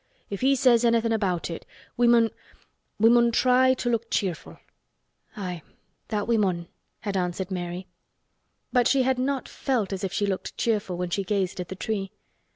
If he says anything about it we mun—we mun try to look cheerful." "Aye, that we mun," had answered Mary. But she had not felt as if she looked cheerful when she gazed at the tree.